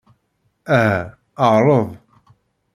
Aha, ɛreḍ.